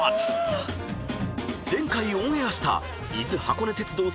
［前回オンエアした］